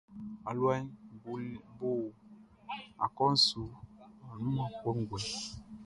Aluaʼn bo akpɔʼn su annunman kɔnguɛ.